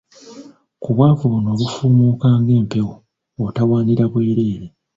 Ku bwavu buno obufumuuka ng’empewo, otawaanira bwereere.